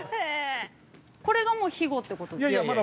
◆これが、もうひごってことですか。